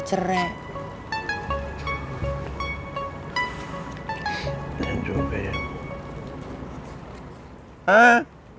ketawa sama dia